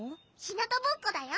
ひなたぼっこだよ。